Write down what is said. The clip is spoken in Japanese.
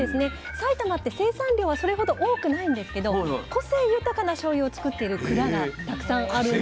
埼玉って生産量はそれほど多くないんですけど個性豊かなしょうゆを造っている蔵がたくさんあるんですよ。